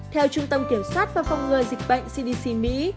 theo trung tâm kiểm soát và phòng ngừa dịch bệnh cdc mỹ